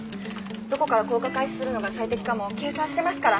どこから降下開始するのが最適かも計算してますから！